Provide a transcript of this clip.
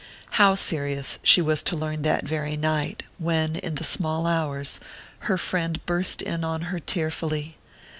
How serious, she was to learn that very night, when, in the small hours, her friend burst in on her tearfully.